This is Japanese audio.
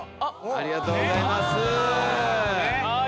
ありがとうございます。